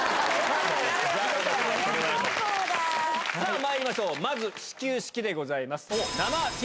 まいりましょうまず始球式でございます。